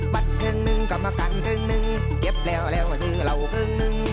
บัตรครึ่งหนึ่งกรรมการครึ่งหนึ่งเก็บแล้วแล้วถึงเราครึ่งนึง